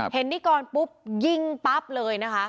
เห็นนิกอลปุ๊บยิ่งปั๊บเลยนะคะ